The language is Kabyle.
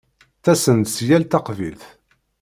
Ttasen-d si yal taqbilt.